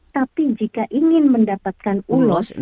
tapi jika ingin mendapatkan ulos